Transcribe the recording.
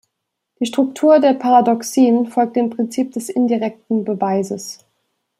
Die Struktur der Paradoxien folgt dem Prinzip des indirekten Beweises.